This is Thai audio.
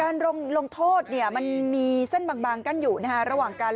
ลงลงโทษเนี่ยมันมีเส้นบางกั้นอยู่นะฮะระหว่างการ